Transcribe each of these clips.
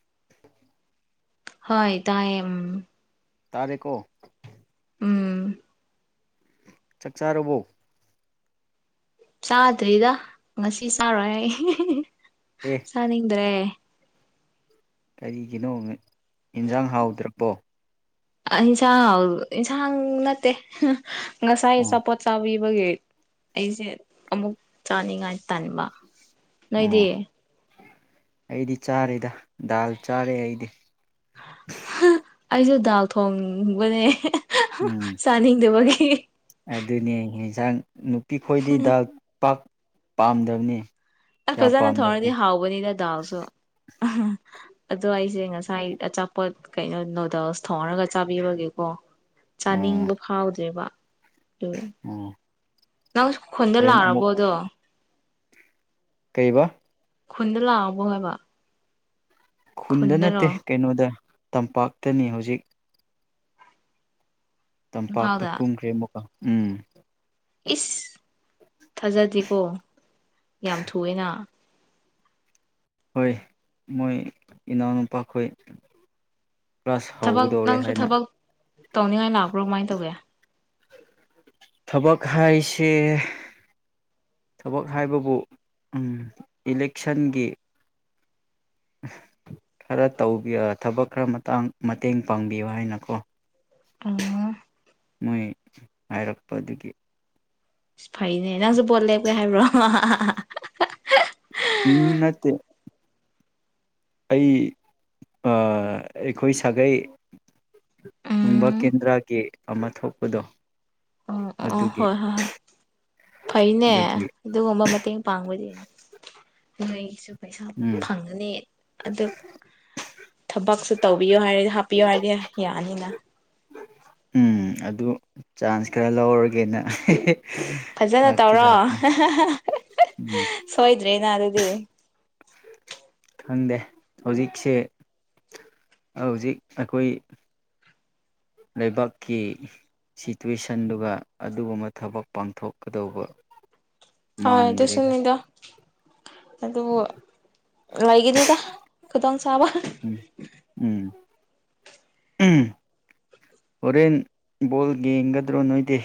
[unintelligible] ꯍꯣꯏ ꯇꯥꯏꯌꯦꯝ ꯇꯔꯦꯀꯣ ꯎꯝ ꯆꯛ ꯆꯥꯔꯕꯣ ꯆꯥꯗ꯭ꯔꯤꯗ ꯉꯁꯤ ꯆꯥꯔꯣꯏ ꯑꯩ ꯑꯦ ꯊꯥꯅꯤꯡꯗ꯭ꯔꯦ ꯀꯔꯤꯒꯤꯅꯣ ꯑꯦꯟꯖꯥꯡ ꯍꯥꯎꯇ꯭ꯔꯕꯣ ꯑ ꯍꯤꯟꯁꯥꯡ ꯑꯦꯟꯁꯥꯡ ꯅꯠꯇꯦ ꯉꯁꯥꯏ ꯑꯣ ꯑꯆꯥꯄꯣꯠ ꯆꯥꯕꯩ ꯕꯒꯤ ꯑꯩꯖꯦ ꯑꯃꯨꯛ ꯆꯥꯅꯤꯡꯉꯥꯏ ꯇꯟꯕ ꯅꯣꯏꯗꯤ ꯑꯣ ꯑꯩꯗꯤ ꯆꯥꯔꯦꯗ ꯗꯥꯜ ꯆꯥꯔꯦ ꯑꯩꯗꯤ ꯍ ꯑꯩꯖꯨ ꯗꯥꯜ ꯊꯣꯡꯕꯅꯦ ꯎꯝ ꯇꯥꯅꯤꯡꯗꯕꯒꯤ ꯑꯗꯨꯅꯤ ꯍꯦꯟꯁꯥꯡ ꯅꯨꯄꯤ ꯈꯣꯏꯗꯤ ꯗꯥꯜ ꯄꯥꯛ ꯄꯥꯝꯗꯕꯅꯦ ꯑꯁ ꯐꯖꯅ ꯊꯣꯡꯉꯥꯗꯤ ꯍꯥꯎꯕꯅꯤꯗ ꯗꯥꯜꯁꯨ ꯑꯗꯣ ꯑꯩꯖꯦ ꯉꯁꯥꯏ ꯑꯆꯥꯄꯣꯠ ꯀꯩꯅꯣ ꯅꯨꯗꯜꯁ ꯊꯣꯡꯔꯒ ꯆꯥꯕꯤꯕꯒꯤꯀꯣ ꯆꯥꯅꯤꯡꯕ ꯐꯥꯎꯗ꯭ꯔꯦꯕ ꯑꯗꯨꯒꯤ ꯎꯝ ꯅꯪ ꯈꯨꯟꯗ ꯂꯥꯛꯑꯕꯣ ꯑꯗꯣ ꯀꯩꯕ ꯈꯨꯟꯗ ꯂꯥꯛꯑꯕꯣ ꯍꯥꯏꯕ ꯈꯨꯟꯗ ꯈꯨꯟꯗꯔꯣ ꯅꯠꯇꯦ ꯀꯩꯅꯣꯗ ꯇꯝꯄꯥꯛꯇꯅꯤ ꯍꯧꯖꯤꯛ ꯇꯝꯄꯥꯛꯇ ꯏꯝꯐꯥꯜꯗ ꯀꯨꯝꯈ꯭ꯔꯦ ꯑꯃꯨꯛꯀ ꯎꯝ ꯏꯁ ꯊꯥꯖꯗꯦꯀꯣ ꯌꯥꯝ ꯊꯨꯌꯦꯅ ꯍꯣꯏ ꯃꯣꯏ ꯏꯅꯥꯎꯅꯨꯄꯥꯈꯣꯏ ꯀ꯭ꯂꯥꯁ ꯊꯕꯛ ꯍꯧꯗꯧꯔꯦ ꯅꯪꯁꯨ ꯍꯥꯏꯅ ꯊꯕꯛ ꯇꯧꯅꯤꯡꯉꯥꯏ ꯂꯥꯛꯄ꯭ꯔꯣ ꯀꯃꯥꯏ ꯇꯧꯒꯦ ꯊꯕꯛ ꯍꯥꯏꯁꯦ ꯊꯕꯛ ꯍꯥꯏꯕꯕꯨ ꯎꯝ ꯏꯂꯦꯛꯁꯟꯒꯤ ꯈꯔ ꯇꯧꯕꯤ ꯊꯕꯛ ꯈꯔ ꯃꯇꯥꯡ ꯃꯇꯦꯡ ꯄꯥꯡꯕꯤꯌꯨ ꯍꯥꯏꯅꯀꯣ ꯇꯨꯡꯉꯣꯢ ꯃꯣꯏ ꯍꯥꯏꯔꯛꯄ ꯑꯗꯨꯒꯤ ꯐꯩꯅꯦ ꯅꯪꯁꯨ ꯚꯣꯠ ꯂꯦꯞꯀꯦ ꯍꯥꯏꯕ꯭ꯔꯣ ꯎꯝ ꯅꯠꯇꯦ ꯑꯩ ꯑꯥ ꯑꯩꯈꯣꯏ ꯁꯥꯒꯩ ꯒꯨꯝꯕ ꯎꯝ ꯀꯦꯟꯗ꯭ꯔꯒꯤ ꯑꯃ ꯊꯣꯛꯄꯗꯣ ꯑꯣ ꯑꯣ ꯑꯗꯨꯒꯤ ꯍꯣꯏ ꯍꯣꯏ ꯍꯣꯏ ꯐꯩꯅꯦ ꯑꯗꯨꯒꯤ ꯑꯗꯨꯒꯨꯝꯕ ꯃꯇꯦꯡ ꯄꯥꯡꯕꯗꯤ ꯅꯣꯏꯒꯤꯁꯨ ꯄꯩꯁꯥ ꯎꯝ ꯐꯪꯉꯥꯅꯤ ꯑꯅꯤ ꯑꯗꯨ ꯊꯕꯛꯁꯨ ꯇꯧꯕꯤꯌꯣ ꯍꯥꯏꯔꯗꯤ ꯍꯥꯞꯄꯤꯌꯨ ꯍꯥꯏꯔꯗꯤ ꯌꯥꯅꯤꯅ ꯎꯝ ꯑꯗꯨ ꯆꯥꯟꯁ ꯈꯔ ꯂꯧꯔꯒꯦꯅ ꯐꯖꯅ ꯂꯥꯛꯇꯤ ꯇꯧꯔꯣ ꯂꯥꯛꯄꯅꯦ ꯎꯝ ꯁꯣꯏꯗ꯭ꯔꯦꯅ ꯑꯗꯨꯗꯤ ꯈꯪꯗꯦ ꯍꯧꯖꯤꯛꯁꯦ ꯍꯧꯖꯤꯛ ꯑꯩꯈꯣꯏ ꯂꯩꯕꯥꯛꯀꯤ ꯁꯤꯇꯨꯋꯦꯁꯟꯗꯨꯒ ꯑꯗꯨꯒꯨꯝꯕ ꯊꯕꯛ ꯄꯥꯡꯊꯣꯛꯀꯗꯧꯕ ꯍꯣꯏ ꯑꯗꯨ ꯃꯥꯟꯗ꯭ꯔꯦ ꯁꯨꯅꯤꯗ ꯑꯗꯨ ꯂꯩꯒꯤꯅꯤꯗ ꯈꯨꯗꯣꯡ ꯆꯥꯕ ꯎꯝ ꯎꯝ ꯎꯝ ꯎꯝ ꯍꯣꯔꯦꯟ ꯕꯣꯜ ꯌꯦꯡꯒꯗ꯭ꯔꯣ ꯅꯣꯏꯗꯤ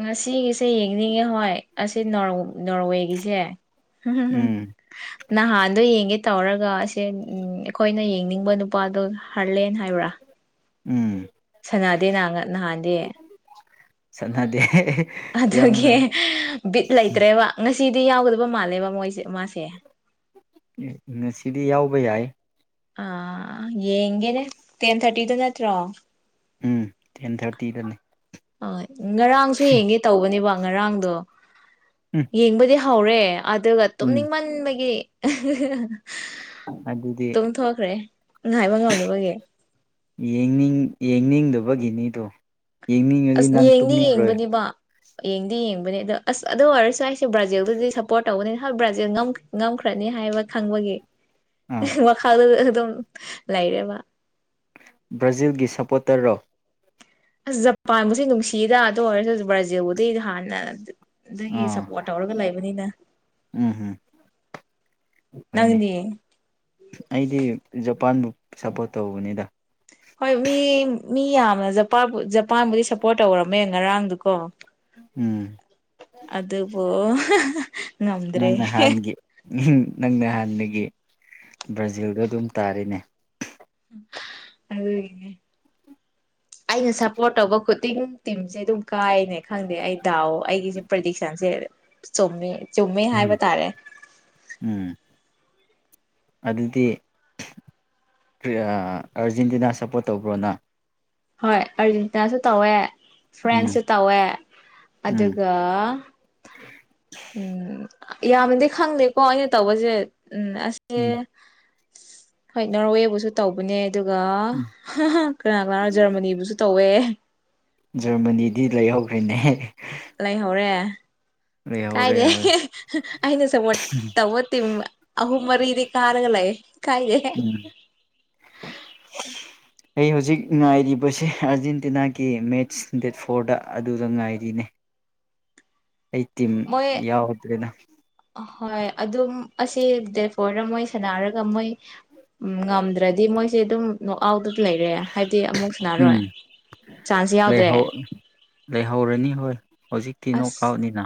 ꯉꯁꯤꯒꯤꯁꯦ ꯌꯦꯡꯅꯤꯡꯉꯦ ꯍꯣꯏ ꯑꯁꯤ ꯅꯣꯔ ꯅꯣꯔꯋꯦꯒꯤꯁꯦ ꯎꯝ ꯅꯍꯥꯟꯗꯣ ꯌꯦꯡꯒꯦ ꯇꯧꯔꯒ ꯑꯁꯦ ꯑꯩꯈꯣꯏꯅ ꯌꯦꯡꯅꯤꯡꯕ ꯅꯨꯄꯥꯗꯣ ꯍꯥꯔꯂꯦꯟ ꯍꯥꯏꯕ꯭ꯔꯥ ꯎꯝ ꯁꯥꯟꯅꯗꯦꯅ ꯅꯍꯥꯟꯗꯤ ꯁꯅꯗꯦ ꯑꯗꯨꯒꯤ ꯕꯤꯠ ꯂꯩꯇ꯭ꯔꯦꯕ ꯉꯁꯤꯗꯤ ꯌꯥꯎꯒꯗꯕ ꯃꯥꯜꯂꯦꯕ ꯃꯣꯏꯁꯦ ꯃꯥꯁꯦ ꯉꯁꯤꯗꯤ ꯌꯥꯎꯕ ꯌꯥꯏ ꯑꯥ ꯌꯦꯡꯒꯦꯅꯦ ꯇꯦꯟ ꯊꯥꯔꯇꯤꯗ ꯅꯠꯇ꯭ꯔꯣ ꯎꯝ ꯇꯦꯟ ꯊꯥꯔꯇꯤꯗꯅꯦ ꯑꯣꯏ ꯉꯔꯥꯡꯁꯨ ꯌꯦꯡꯒꯦ ꯇꯧꯕꯅꯦꯕ ꯉꯔꯥꯡꯗꯣ ꯎꯝ ꯌꯦꯡꯕ ꯍꯧꯔꯦ ꯑꯗꯨꯒ ꯎꯝ ꯇꯨꯝꯅꯤꯡꯃꯟꯕꯒꯤ ꯑꯗꯨꯗꯤ ꯇꯨꯡ ꯊꯣꯛꯈ꯭ꯔꯦ ꯉꯥꯏꯕ ꯉꯝꯗꯕꯒꯤ ꯌꯦꯡꯅꯤꯡ ꯌꯦꯡꯅꯤꯡꯗꯕꯒꯤꯅꯤꯗꯣ ꯌꯦꯡꯅꯤꯡꯉꯗꯤ ꯑꯁ ꯅꯪ ꯌꯦꯡꯗꯤ ꯇꯨꯝꯅꯤꯡꯔꯣꯏ ꯌꯦꯡꯕꯅꯤꯕ ꯌꯦꯡꯗꯤ ꯌꯦꯡꯕꯅꯤ ꯑꯗꯣ ꯑꯁ ꯑꯗꯨ ꯑꯣꯏꯔꯁꯨ ꯑꯩꯁꯦ ꯕ꯭ꯔꯥꯖꯤꯜꯗꯗꯤ ꯁꯞ ꯄꯣꯔꯠ ꯇꯧꯒꯅꯤ ꯍ ꯕ꯭ꯔꯥꯖꯤꯜ ꯉꯝ ꯉꯝꯈ꯭ꯔꯅꯤ ꯍꯥꯏꯕ ꯈꯪꯕꯒꯤ ꯑꯥ ꯃꯈꯥꯗꯨ ꯑꯗꯨꯝ ꯂꯩꯔꯦꯕ ꯕ꯭ꯔꯥꯖꯤꯜꯒꯤ ꯁꯄꯣꯔꯇꯔꯔꯣ ꯑꯁ ꯖꯄꯥꯟꯕꯨꯁꯤ ꯅꯨꯡꯁꯤꯗ ꯑꯗꯨ ꯑꯣꯏꯔꯁꯨ ꯕ꯭ꯔꯥꯖꯤꯜꯕꯨꯗꯩꯗꯤ ꯍꯥꯟꯅ ꯑꯗꯒꯤ ꯑꯥ ꯁꯞꯄꯣꯔꯠ ꯇꯧꯔꯒ ꯂꯩꯕꯅꯤꯅ ꯎꯝ ꯍꯨꯝ ꯅꯪꯗꯤ ꯑꯩꯗꯤ ꯖꯄꯥꯟꯕꯨ ꯁꯞꯄꯣꯔꯠ ꯇꯧꯕꯅꯤꯗ ꯍꯣꯏ ꯃꯤ ꯃꯤ ꯌꯥꯝꯅ ꯖꯄꯥꯟꯕꯨ ꯖꯄꯥꯟꯕꯨꯗꯤ ꯁꯞꯄꯣꯔꯠ ꯇꯧꯔꯝꯃꯦ ꯉꯔꯥꯡꯗꯨꯀꯣ ꯎꯝ ꯑꯗꯨꯕꯨ ꯉꯝꯗ꯭ꯔꯦ ꯅꯪ ꯅꯍꯥꯟꯒꯤ ꯅꯪ ꯅꯍꯥꯟꯗꯒꯤ ꯕ꯭ꯔꯥꯖꯤꯜꯗꯣ ꯑꯗꯨꯝ ꯇꯥꯔꯦꯅꯦ ꯑꯗꯨꯒꯤꯅꯦ [inaudible] ꯑꯩꯅ ꯁꯞꯄꯣꯔꯠ ꯇꯧꯕ ꯈꯨꯗꯤꯡ ꯇꯤꯝꯁꯦ ꯑꯗꯨꯝ ꯀꯥꯏꯑꯅꯦ ꯈꯪꯗꯦ ꯑꯩ ꯗꯥꯎꯑꯣ ꯑꯩꯒꯤꯁꯦ ꯄ꯭ꯔꯗꯤꯛꯁꯟꯁꯦ ꯆꯨꯝꯃꯦ ꯆꯨꯝꯃꯦ ꯎꯝ ꯍꯥꯏꯕ ꯇꯥꯔꯦ ꯎꯝ ꯑꯗꯨꯗꯤ ꯀ꯭ꯔꯤ ꯑ ꯑꯥꯔꯖꯦꯟꯇꯤꯅꯥ ꯁꯞꯄꯣꯔꯠ ꯇꯧꯕ꯭ꯔꯣ ꯅꯪ ꯍꯣꯏ ꯑꯔꯖꯦꯟꯇꯤꯅꯥꯁꯨ ꯇꯧꯋꯦ ꯎꯝ ꯐ꯭ꯔꯦꯟꯁꯨ ꯇꯧꯋꯦ ꯎꯝ ꯑꯗꯨꯒ ꯎꯝ ꯌꯥꯝꯅꯗꯤ ꯈꯪꯗꯦꯀꯣ ꯑꯩꯅ ꯇꯧꯕꯁꯦ ꯎꯝ ꯑꯁꯦ ꯎꯝ ꯍꯣꯏ ꯅꯣꯔꯋꯦꯕꯨꯁꯨ ꯇꯧꯕꯅꯦ ꯑꯗꯨꯒ ꯎꯝ ꯀꯅꯥ ꯀꯅꯥ ꯖꯔꯃꯅꯤꯕꯨꯁꯨ ꯇꯧꯋꯦ ꯖꯔꯃꯅꯤꯗꯤ ꯂꯩꯍꯧꯈ꯭ꯔꯤꯅꯦ ꯂꯩꯍꯧꯔꯦ ꯀꯥꯏꯗꯦ ꯍꯧꯔꯦ ꯑꯩꯅ ꯁꯞꯄꯣꯠ ꯇꯧꯋꯥ ꯇ ꯑꯍꯨꯝ ꯃꯔꯤꯗꯤ ꯀꯥꯔꯒ ꯂꯩꯦ ꯀꯥꯏꯗꯦ [inaudible] ꯑꯩ ꯍꯧꯖꯤꯛ ꯉꯥꯏꯔꯤꯕꯁꯦ ꯑꯥꯔꯖꯦꯟꯇꯤꯅꯥꯒꯤ ꯃꯦꯠꯁ ꯗꯦꯠ ꯐꯣꯔꯗ ꯑꯗꯨꯗ ꯉꯥꯏꯔꯤꯅꯦ ꯑꯩ ꯇꯤꯝ ꯃꯣꯏ ꯌꯥꯎꯗ꯭ꯔꯦꯗ ꯍꯣꯏ ꯑꯗꯨꯝ ꯑꯁꯤ ꯗꯦꯠ ꯐꯣꯔꯗ ꯃꯣꯏ ꯁꯥꯟꯅꯔꯒ ꯃꯣꯏ ꯎꯝ ꯉꯝꯗ꯭ꯔꯗꯤ ꯃꯣꯏꯁꯦ ꯑꯗꯨꯝ ꯅꯣꯛ ꯑꯥꯎꯠ ꯂꯩꯔꯦ ꯍꯥꯏꯗꯤ ꯑꯃꯨꯛ ꯁꯨꯅꯥꯔꯣꯏ ꯎꯝ ꯆꯥꯟꯁ ꯌꯥꯎꯗ꯭ꯔꯦ ꯂꯩꯍꯧ ꯂꯩꯍꯧꯔꯅꯤ ꯍꯣꯏ ꯍꯧꯖꯤꯛꯇꯤ ꯅꯣꯛ ꯑꯁ ꯑꯥꯎꯠꯅꯤꯅ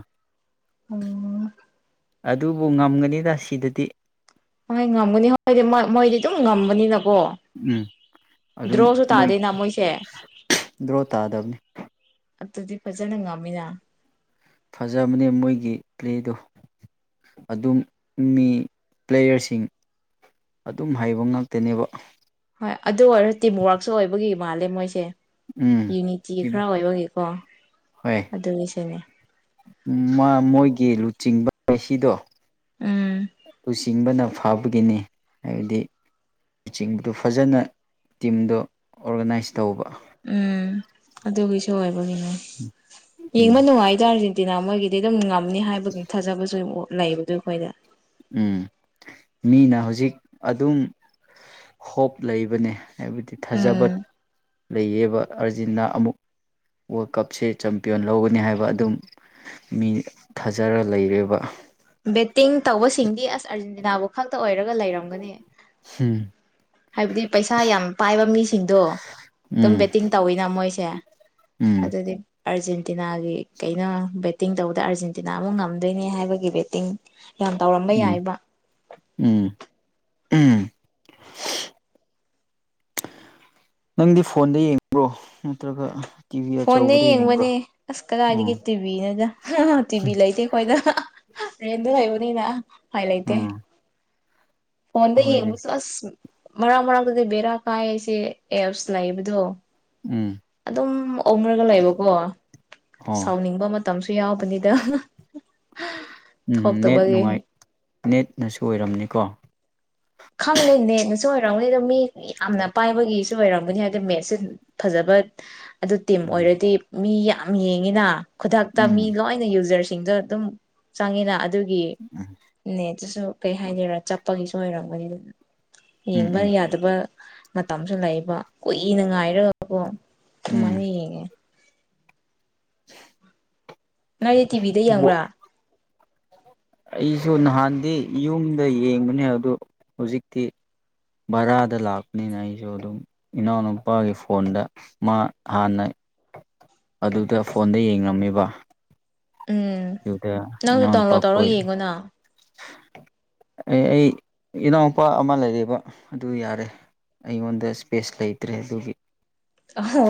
ꯎꯝ ꯑꯗꯨꯕꯨ ꯉꯝꯒꯅꯤꯗ ꯁꯤꯗꯗꯤ ꯍꯣꯏ ꯉꯝꯒꯅꯤ ꯍꯣꯏꯗꯤ ꯃꯣꯏꯗꯤ ꯑꯗꯨꯝ ꯉꯝꯕꯅꯤꯅꯀꯣ ꯎꯝ ꯑꯗꯨꯝ ꯗ꯭ꯔꯣꯁꯨ ꯃꯣꯏ ꯇꯥꯗꯦꯅ ꯃꯣꯏꯁꯦ ꯗ꯭ꯔꯣ ꯇꯥꯗꯕꯅꯤ ꯑꯗꯨꯗꯤ ꯐꯖꯅ ꯉꯝꯃꯤꯗ ꯐꯖꯕꯅꯦ ꯃꯣꯏꯒꯤ ꯄ꯭ꯂꯦꯗꯣ ꯑꯗꯨꯝ ꯃꯤ ꯄ꯭ꯂꯦꯌꯔꯁꯤꯡ ꯑꯗꯨꯝ ꯍꯩꯕ ꯉꯥꯛꯇꯅꯦꯕ ꯍꯣꯏ ꯑꯗꯨ ꯑꯣꯏꯔꯣ ꯇꯤꯝꯋꯥꯔꯛꯁꯨ ꯑꯣꯏꯕꯒꯤ ꯃꯥꯜꯂꯦ ꯃꯣꯏꯁꯦ ꯎꯝ ꯌꯨꯅꯤꯇꯤ ꯇꯤꯝ ꯈꯔ ꯑꯣꯏꯕꯒꯤ ꯀꯣ ꯍꯣꯏ ꯑꯗꯨꯒꯤꯁꯨꯅꯦ ꯃꯣꯏꯒꯤ ꯂꯨꯆꯤꯡꯕ ꯃꯦꯁꯤꯗꯣ ꯎꯝ ꯂꯨꯆꯤꯡꯕꯅ ꯐꯥꯕꯒꯤꯅꯤ ꯍꯥꯏꯕꯗꯤ ꯂꯨꯆꯤꯡꯕꯗꯨ ꯐꯖꯅ ꯇꯤꯝꯗꯣ ꯑꯣꯔꯒꯅꯥꯏꯁ ꯇꯧꯕ ꯎꯝ ꯑꯗꯨꯒꯤꯁꯨ ꯑꯣꯏꯕꯒꯤꯅꯦ ꯌꯦꯡꯕ ꯎꯝ ꯅꯨꯡꯉꯥꯏꯗ ꯇꯤꯏ ꯃꯣꯏꯒꯤꯗꯤ ꯑꯗꯨꯝ ꯉꯝꯅꯤ ꯍꯥꯏꯕꯒꯤ ꯊꯥꯖꯕꯁꯨ ꯂꯩꯗ ꯑꯩꯈꯣꯏꯗ ꯎꯝ ꯃꯤꯅ ꯍꯧꯖꯤꯛ ꯑꯗꯨꯝ ꯍꯣꯞ ꯂꯩꯕꯅꯦ ꯍꯥꯏꯕꯗꯤ ꯊꯥꯖꯕ ꯎꯝ ꯂꯩꯌꯦꯕ ꯑꯥꯔꯖꯦꯟꯇꯤꯅꯥ ꯑꯃꯨꯛ ꯋꯥꯔꯜ ꯀꯞꯁꯦ ꯆꯦꯝꯄꯤꯌꯟ ꯂꯧꯒꯅꯤ ꯍꯥꯏꯕ ꯑꯗꯨꯝ ꯃꯤ ꯊꯥꯖꯔ ꯂꯩꯔꯦꯕ ꯕꯦꯠꯇꯤꯡ ꯇꯧꯕꯁꯤꯡꯗꯤ ꯑꯁ ꯑꯥꯔꯖꯦꯟꯇꯤꯅꯥꯕꯨ ꯈꯛꯇ ꯑꯣꯏꯔꯒ ꯂꯩꯔꯝꯒꯅꯤ ꯍꯨꯝ ꯍꯥꯏꯕꯗꯤ ꯄꯩꯁꯥ ꯌꯥꯝ ꯄꯥꯏꯕ ꯃꯤꯁꯤꯡꯗꯣ ꯑꯗꯨꯝ ꯎꯝ ꯕꯦꯠꯇꯤꯡ ꯇꯧꯋꯤꯅ ꯃꯣꯏꯁꯦ ꯎꯝ ꯑꯗꯨꯗꯤ ꯑꯥꯔꯖꯦꯟꯇꯤꯅꯥꯒꯤ ꯀꯩꯅꯣ ꯕꯦꯠꯇꯤꯡ ꯇꯧꯕꯗ ꯑꯥꯔꯖꯦꯟꯇꯤꯅꯥ ꯑꯃꯨꯛ ꯉꯝꯗꯣꯏꯅꯤ ꯍꯥꯏꯕꯒꯤ ꯕꯦꯠꯇꯤꯡ ꯌꯥꯝ ꯇꯧꯔꯝꯕ ꯎꯝ ꯌꯥꯏꯕ ꯎꯝ ꯎꯝ ꯅꯪꯗꯤ ꯐꯣꯟꯗ ꯌꯦꯡꯕ꯭ꯔꯣ ꯅꯠꯇ꯭ꯔꯒ ꯇꯤꯚꯤ ꯐꯣꯟꯗ ꯑꯆꯧꯕꯗ ꯌꯦꯡꯕ꯭ꯔꯣ ꯌꯦꯡꯕꯅꯦ ꯑꯁ ꯀꯗꯥꯏꯗꯒꯤ ꯑꯣ ꯇꯤꯚꯤꯅꯤꯗ ꯇꯤꯚꯤ ꯂꯩꯇꯦ ꯑꯩꯈꯣꯏꯗ ꯍꯦꯟꯗ ꯂꯩꯕꯅꯤꯅ ꯂꯩꯕꯅꯣꯅ ꯎꯄꯥꯢ ꯂꯩꯇꯦ ꯑꯥ ꯐꯣꯟꯗ ꯍꯣꯏꯅꯦ ꯌꯦꯡꯕꯁꯨ ꯑꯁ ꯃꯔꯛ ꯃꯔꯥꯛꯇꯗꯤ ꯕꯦꯔꯥ ꯀꯥꯏ ꯁꯤ ꯑꯦꯞꯁ ꯂꯩꯕꯗꯣ ꯎꯝ ꯑꯗꯨꯝ ꯑꯣꯟꯔꯒ ꯂꯩꯕꯀꯣ ꯑꯣ ꯁꯥꯎꯅꯤꯡꯕ ꯇꯝꯁꯨ ꯌꯥꯎꯕꯅꯤꯗ ꯎꯝ ꯅꯦꯠ ꯊꯣꯛꯇꯕꯒꯤ ꯅꯨꯡꯉꯥꯏ ꯅꯦꯠꯅꯁꯨ ꯑꯣꯏꯔꯝꯅꯤꯀꯣ ꯈꯪꯗꯦ ꯅꯦꯠꯅꯁꯨ ꯑꯣꯏꯔꯝꯒꯅꯤ ꯃꯤ ꯌꯥꯝꯅ ꯄꯥꯏꯕꯒꯤꯁꯨ ꯑꯣꯏꯔꯝꯒꯅꯤ ꯍꯥꯏꯗꯤ ꯃꯦꯠꯁꯦ ꯐꯖꯕ ꯑꯗꯨ ꯇꯤꯝ ꯎꯝ ꯑꯣꯏꯔꯗꯤ ꯃꯤ ꯌꯥꯝ ꯌꯦꯡꯉꯤꯅ ꯈꯨꯗꯛꯇ ꯃꯤ ꯎꯝ ꯂꯣꯏꯅ ꯌꯨꯖꯔꯁ ꯑꯗꯨꯝ ꯆꯪꯉꯤꯅ ꯑꯗꯨꯒꯤ ꯎꯝ ꯅꯦꯠꯇꯨꯁꯨ ꯀꯩ ꯍꯥꯏꯁꯤꯔ ꯆꯥꯞꯄꯒꯤꯁꯨ ꯑꯣꯏꯔꯝ ꯎꯝ ꯌꯦꯡꯕ ꯌꯥꯗꯕ ꯃꯇꯝꯁꯨ ꯂꯩꯕ ꯀꯨꯏꯅ ꯉꯥꯏꯔꯒ ꯑꯣ ꯎꯝ ꯁꯨꯃꯥꯏꯅ ꯌꯦꯡꯉꯦ ꯅꯪꯗꯤ ꯇꯤꯚꯤꯗ ꯋꯥ ꯌꯦꯡꯕ꯭ꯔꯥ ꯑꯩꯁꯨ ꯅꯍꯥꯟꯗꯤ ꯌꯨꯝꯗ ꯌꯦꯡꯕꯅꯦ ꯑꯗꯨ ꯍꯧꯖꯤꯛꯇꯤ ꯕꯥꯔꯥꯗ ꯂꯥꯛꯄꯅꯤꯅ ꯑꯩꯁꯨ ꯑꯗꯨꯝ ꯏꯅꯥꯎꯅꯨꯄꯥꯒꯤ ꯐꯣꯟꯗ ꯃꯥ ꯍꯥꯟꯅꯩ ꯑꯗꯨꯗ ꯐꯣꯟꯗ ꯌꯦꯡꯉꯝꯃꯤꯕ ꯎꯝ ꯅꯪꯖꯨ ꯗꯥꯎꯟꯂꯣꯗ ꯇꯧꯔ ꯌꯦꯡꯉꯨꯅ ꯑꯦ ꯑꯩ ꯏꯅꯥꯎꯄꯥ ꯑꯃ ꯂꯩꯔꯦꯕ ꯑꯗꯨ ꯌꯥꯔꯦ ꯑꯩꯉꯣꯟꯗ ꯏꯁ꯭ꯄꯦꯁ ꯂꯩꯇ꯭ꯔꯦ ꯑꯗꯨꯒꯤ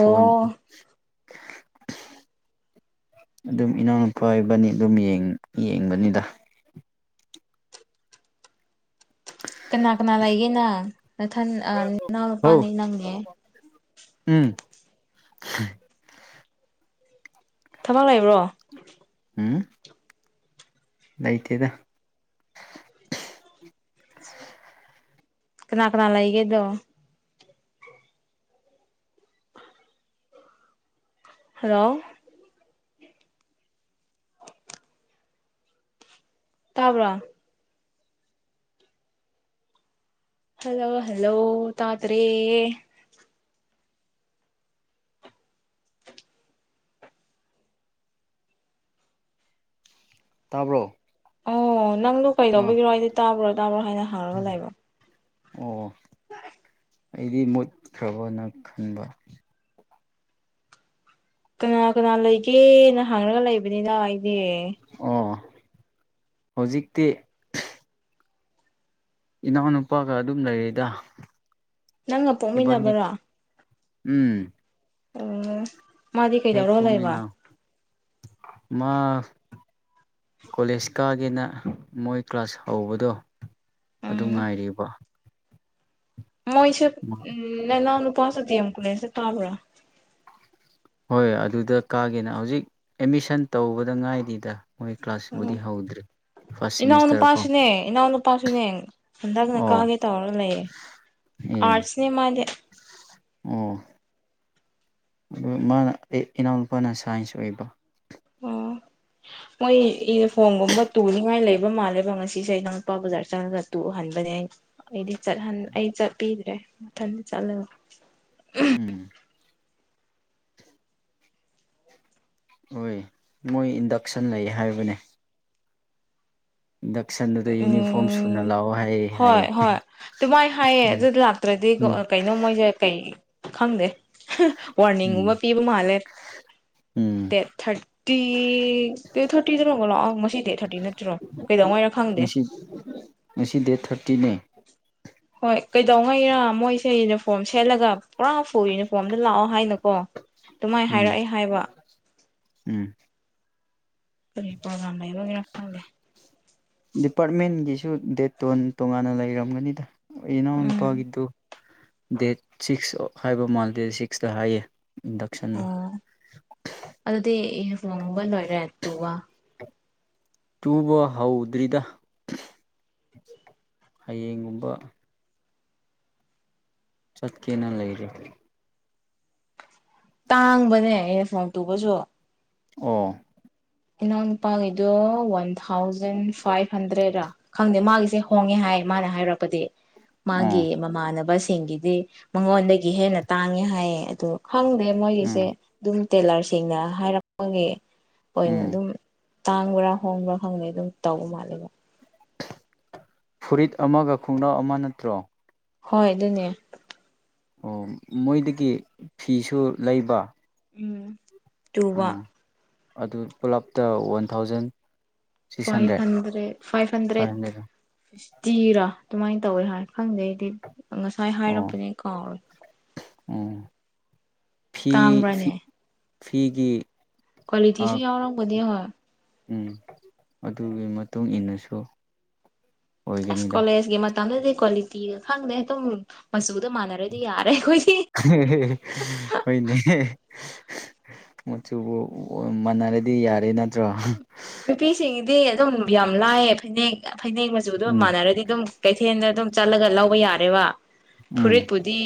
ꯐꯣꯟ ꯑꯗꯨꯝ ꯏꯅꯥꯎꯅꯨꯄꯥ ꯏꯕꯥꯅꯤ ꯑꯗꯨꯝ ꯌꯦꯡ ꯌꯦꯡꯕꯅꯤꯗ ꯀꯅꯥ ꯀꯅꯥ ꯂꯩꯒꯦ ꯅꯪ ꯅꯊꯟ ꯑꯥ ꯍꯧ ꯅꯅꯥꯎꯅꯨꯄꯥꯅꯦ ꯅꯪꯅꯦ ꯎꯝ [inaudible] ꯊꯕꯛ ꯂꯩꯕ꯭ꯔꯣ ꯎꯝ ꯂꯩꯇꯦꯗ ꯀꯅꯥ ꯀꯅꯥ ꯂꯩꯒꯦ ꯑꯗꯣ ꯍꯜꯂꯣ ꯇꯥꯕ꯭ꯔꯥ ꯍꯜꯂꯣ ꯍꯜꯂꯣ ꯇꯥꯗ꯭ꯔꯦ ꯇꯥꯕ꯭ꯔꯣ ꯑꯣ ꯅꯪꯗꯣ ꯑꯥ ꯀꯩꯗꯧꯕꯒꯤꯔꯣ ꯑꯩꯗꯤ ꯇꯥꯕ꯭ꯔꯣ ꯇꯥꯕ꯭ꯔꯣ ꯍꯥꯏꯅ ꯍꯥꯡꯉꯒ ꯂꯩꯕ ꯑꯣ [inaudible] ꯑꯩꯗꯤ ꯃꯨꯠꯈ꯭ꯔꯕꯣꯅ ꯈꯟꯕ ꯀꯅꯥ ꯀꯅꯥ ꯂꯩꯒꯦꯅ ꯍꯪꯉꯒ ꯂꯩꯕꯅꯤꯅ ꯑꯩꯗꯤ ꯑꯣ ꯍꯧꯖꯤꯛꯇꯤ ꯏꯅꯥꯎꯅꯨꯄꯥꯒ ꯑꯗꯨꯝ ꯂꯩꯔꯤꯗ ꯅꯪꯒ ꯏꯕꯥꯅꯤ ꯄꯣꯛꯃꯤꯟꯅꯕꯔꯣ ꯎꯝ ꯎꯝ ꯍꯦꯛ ꯄꯣꯛꯃꯤꯟꯅ ꯃꯥ ꯀꯣꯂꯦꯖ ꯀꯥ__ ꯀꯥꯒꯦꯅ ꯃꯣꯏ ꯀ꯭ꯂꯥꯁ ꯍꯧꯕꯗꯣ ꯑꯗꯨ ꯎꯝ ꯉꯥꯏꯔꯤꯕ ꯃꯣꯏꯁꯨ [inaudible] ꯎꯝ ꯅꯅꯥꯎ ꯅꯨꯄꯥꯁꯨ ꯗꯤ ꯑꯦꯝ ꯀꯣꯂꯦꯖꯇ ꯀꯥꯕ꯭ꯔꯥ ꯍꯣꯏ ꯑꯗꯨꯗ ꯀꯥꯒꯦꯅ ꯍꯧꯖꯤꯛ ꯑꯦꯠꯃꯤꯁꯟ ꯇꯧꯕꯗ ꯉꯥꯏꯔꯤꯗ ꯃꯣꯏ ꯎꯝ ꯀ꯭ꯂꯥꯁꯕꯨꯗꯤ ꯍꯧꯗ꯭ꯔꯤ ꯐꯥꯔꯁ ꯁꯦꯃꯤꯁꯇꯔ ꯀꯣ ꯏꯅꯥꯎꯅꯨꯄꯥꯁꯨꯅꯦ ꯏꯅꯥꯎꯅꯨꯄꯥꯁꯨꯅꯦ ꯍꯟꯗꯛꯅ ꯑꯣ ꯀꯥꯒꯦ ꯇꯧꯔꯒ ꯂꯩꯌꯦ ꯑꯦ ꯑꯥꯔꯠꯁꯅꯦ ꯃꯥꯗꯤ ꯑꯣ ꯎꯝ ꯃꯥꯅ ꯑꯩ ꯏꯅꯥꯎꯅꯨꯄꯥꯅ ꯁꯥꯏꯟꯁ ꯑꯣꯏꯕ ꯑꯣ [inaudible] ꯃꯣꯏ ꯏꯌꯨꯐꯣꯝꯒꯨꯝꯕ ꯇꯨꯅꯤꯉꯥꯏ ꯂꯩꯕ ꯃꯥꯜꯂꯦꯕ ꯉꯁꯤꯁꯦ ꯏꯅꯥꯎꯅꯨꯄꯥ ꯕꯖꯥꯔ ꯆꯪꯉꯒ__ ꯇꯨꯍꯟꯕꯅꯦ ꯑꯩ ꯑꯩꯗꯤ ꯆꯠꯍꯟ ꯑꯩ ꯆꯠꯄꯤꯗ꯭ꯔꯦ ꯃꯊꯟ ꯆꯠꯂꯒ ꯎꯝ ꯍꯣꯏ ꯃꯣꯏ ꯏꯟꯗꯛꯁꯟ ꯂꯩ ꯍꯥꯏꯕꯅꯦ ꯏꯟꯗꯛꯁꯟꯗꯨꯗ ꯌꯨꯅꯤꯐꯣꯔꯝ ꯁꯨꯅ ꯎꯝ ꯂꯥꯛꯑꯣ ꯍꯥꯏꯌꯦ ꯍꯥꯏꯌꯦ ꯍꯣꯏ ꯍꯣꯏ ꯇꯨꯃꯥꯏ ꯍꯌꯦ ꯎꯝ ꯂꯥꯞ ꯇ꯭ꯔꯗꯤꯀꯣ ꯎꯝ ꯑ ꯀꯩꯅꯣ ꯃꯣꯏꯖꯦ ꯀꯩ ꯈꯪꯗꯦ ꯎꯝ ꯋꯥꯔꯅꯤꯡꯒꯨꯝꯕ ꯄꯤ ꯃꯥꯜꯂꯦ ꯎꯝ ꯗꯦꯠ ꯊꯥꯔꯇꯤ ꯗꯦꯠ ꯊꯥꯔꯇꯤꯗ ꯅꯣꯡꯃ ꯂꯥꯛꯑꯣ ꯉꯁꯤ ꯗꯦ ꯊꯔꯇꯤ ꯅꯠꯇ꯭ꯔꯣ ꯀꯩꯗꯧꯉꯩꯔꯛ ꯉꯁꯤ ꯉꯁꯤ ꯗꯦꯠ ꯊꯥꯔꯇꯤꯅꯦ ꯍꯣꯏ ꯀꯩꯗꯧꯉꯩꯔꯥ ꯃꯣꯏꯁꯦ ꯌꯨꯅꯤꯐꯣꯔꯝ ꯁꯦꯠꯂꯒ ꯄꯨꯔꯥꯐꯨ ꯌꯨꯅꯤꯐꯣꯔꯝꯗ ꯂꯥꯛꯑꯣ ꯍꯥꯏꯅꯀꯣ ꯗꯨꯃꯥꯏ ꯎꯝ ꯍꯥꯏꯔꯛ ꯑꯩ ꯍꯥꯏꯕ ꯎꯝ ꯀꯔꯤ ꯄ꯭ꯔꯣꯒ꯭ꯔꯝ ꯂꯩꯕꯒꯤꯔ ꯈꯪꯗꯦ ꯗꯤꯄꯥꯔꯠꯃꯦꯟꯒꯤꯁꯨ ꯗꯦꯠ ꯇꯣꯟ ꯇꯣꯉꯥꯟꯅ ꯂꯩꯔꯝꯒꯅꯤꯗ ꯑꯩ ꯏꯅꯥꯎ ꯎꯝ ꯅꯨꯄꯥꯒꯤꯗꯨ ꯗꯦꯠ ꯁꯤꯛꯁ ꯍꯥꯏꯕ ꯃꯥꯜꯦ ꯗꯦꯠ ꯁꯤꯛꯁꯇ ꯍꯥꯏꯌꯦ ꯏꯟꯗꯛꯁꯟꯗꯣ ꯑꯣ ꯑꯗꯨꯗꯤ ꯏ ꯐꯣꯡꯕ ꯂꯣꯏꯔꯦ ꯇꯨꯕ ꯇꯨꯕ ꯍꯧꯗ꯭ꯔꯤꯗ ꯍꯌꯦꯡꯒꯨꯝꯕ ꯆꯠꯀꯦꯅ ꯂꯩꯔꯤ ꯇꯥꯡꯕꯅꯦ ꯌꯨꯅꯤꯐꯣꯝ ꯇꯨꯕꯁꯨ ꯑꯣ ꯏꯅꯥꯎꯅꯨꯄꯥꯒꯤꯗꯣ ꯋꯥꯟ ꯊꯥꯎꯖꯟ ꯐꯥꯏꯚ ꯍꯟꯗ꯭ꯔꯦꯗꯔ ꯈꯪꯗꯦ ꯃꯥꯒꯤꯁꯦ ꯍꯣꯡꯉꯦ ꯍꯥꯏ ꯃꯥꯅ ꯍꯥꯏꯔꯛꯄꯗꯤ ꯑꯣ ꯃꯥꯒꯤ ꯃꯃꯥꯟꯅꯕꯁꯤꯡꯒꯤꯗꯤ ꯃꯉꯣꯟꯗꯒꯤ ꯍꯦꯟꯅ ꯇꯥꯡꯉꯦ ꯍꯥꯏꯌꯦ ꯑꯗꯣ ꯈꯪꯗꯦ ꯎꯝ ꯃꯣꯏꯒꯤꯁꯦ ꯑꯗꯨꯝ ꯇꯦꯂꯔꯁꯤꯡꯅ ꯍꯥꯏꯔꯛꯄꯒꯤ ꯑꯣꯏꯅ ꯎꯝ ꯑꯗꯨꯝ ꯇꯥꯡꯕ꯭ꯔꯥ ꯍꯣꯡꯕ꯭ꯔꯥ ꯈꯪꯗꯦ ꯑꯗꯨꯝ ꯇꯧꯕ ꯃꯥꯜꯂꯦꯕ ꯐꯨꯔꯤꯠ ꯑꯃꯒ ꯈꯣꯡꯒ꯭ꯔꯥꯎ ꯑꯃ ꯅꯠꯇ꯭ꯔꯣ ꯍꯣꯏ ꯑꯗꯨꯅꯦ ꯑꯣ ꯃꯣꯏꯗꯒꯤ ꯐꯤꯁꯨ ꯂꯩꯕ ꯎꯝ ꯎꯝ ꯇꯨꯕ ꯑꯗꯨ ꯄꯨꯂꯞꯇ one thousand five hundred five hundred ꯇꯤꯔꯥ ꯑꯗꯨꯃꯥꯏ ꯇꯧꯋꯦ ꯍꯥꯏ ꯈꯪꯗꯦ ꯑꯩꯗꯤ ꯉꯁꯥꯏ ꯑꯣ ꯍꯥꯏꯔꯛꯄꯅꯦ ꯀꯥꯎꯔꯦ ꯎꯝ ꯐꯤ ꯐꯤ ꯇꯥꯡꯕ꯭ꯔꯅꯦ ꯐꯤꯒꯤ ꯀ꯭ꯋꯥꯂꯤꯇꯤꯁꯨ ꯑꯥ ꯌꯥꯎꯔꯝꯒꯅꯤ ꯍꯣꯏ ꯎꯝ ꯑꯗꯨꯒꯤ ꯃꯇꯨꯡ ꯏꯟꯅꯁꯨ ꯑꯁ ꯑꯣꯏꯒꯅꯤꯗ ꯀꯣꯂꯦꯖꯀꯤ ꯃꯇꯝꯗꯗꯤ ꯀ꯭ꯋꯥꯂꯤꯇꯤꯒ ꯈꯪꯗꯦ ꯑꯗꯨꯝ ꯃꯆꯨꯗ ꯃꯥꯟꯅꯔꯗꯤ ꯌꯥꯔꯦ ꯈꯣꯏꯗꯤ ꯍꯣꯏꯅꯦ ꯃꯆꯨꯕꯨ ꯃꯥꯟꯅꯔꯗꯤ ꯌꯥꯔꯦ ꯅꯠꯇ꯭ꯔꯣ ꯅꯨꯄꯤꯁꯤꯡꯗꯤ ꯑꯗꯨꯝ ꯌꯥꯝ ꯂꯥꯏꯌꯦ ꯐꯅꯦꯛ ꯐꯅꯦꯛ ꯃꯆꯨꯗ ꯎꯝ ꯃꯥꯟꯅꯔꯗꯤ ꯑꯗꯨꯝ ꯀꯩꯊꯦꯜꯗ ꯑꯗꯨꯝ ꯆꯠꯂꯒ ꯂꯧꯕ ꯌꯥꯔꯦꯕ ꯎꯝ ꯐꯨꯔꯤꯠꯄꯨꯗꯤ